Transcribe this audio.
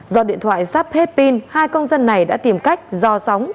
do điện thoại sắp hết pin hai công dân này đã tìm cách do sóng